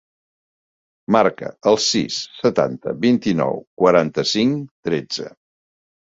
Marca el sis, setanta, vint-i-nou, quaranta-cinc, tretze.